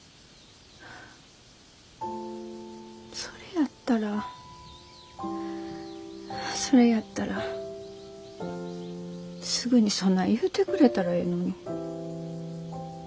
それやったらそれやったらすぐにそない言うてくれたらええのに。